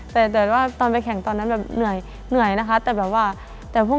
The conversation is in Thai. แต่ว่าตอนไปแข่งตอนนั้นแบบเหนื่อยเหนื่อยนะคะแต่แบบว่าแต่พวก